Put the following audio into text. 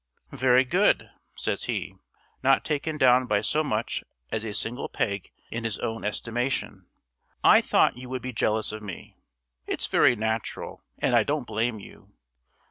"Very good," says he, not taken down by so much as a single peg in his own estimation. "I thought you would be jealous of me. It's very natural and I don't blame you.